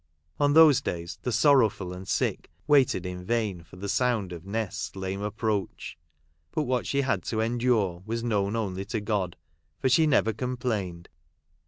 On those days the sorrowful and sick waited in vain for the sound of Nest's lame approach. But what she had to endure was only known to God, for she never com plained.